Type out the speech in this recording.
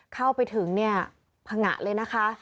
เข้าไปถึงเนี่ยพังงะเลยนะคะ